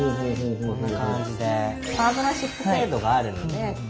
こんな感じで。